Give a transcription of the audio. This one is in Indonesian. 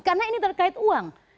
karena ini terkait uang